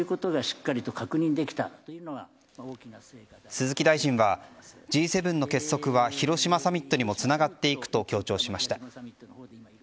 鈴木大臣はＧ７の結束は広島サミットにもつながっていくと強調しました。